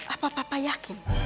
apakah papa yakin